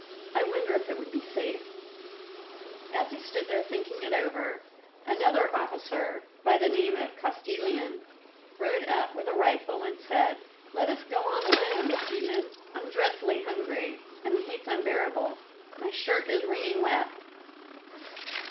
I wonder if it would be safe?" As he stood there thinking it over, another officer, by the name of Kostilin, rode up with a rifle and said, "Let us go on alone, Jilin. I'm dreadfully hungry, and the heat's unbearable. My shirt is wringing wet."